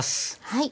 はい。